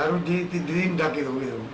harus ditindak gitu